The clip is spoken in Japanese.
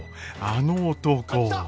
あの男。